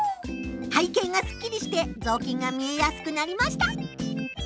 背景がすっきりしてぞうきんが見えやすくなりました。